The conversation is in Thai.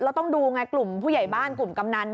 แล้วต้องดูไงกลุ่มผู้ใหญ่บ้านกลุ่มกำนัน